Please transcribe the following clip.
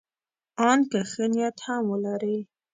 ان که ښه نیت هم ولري.